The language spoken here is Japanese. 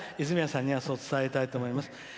泉谷さんにはそう伝えたいと思います。